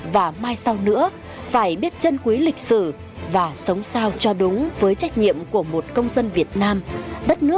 và mai sau nữa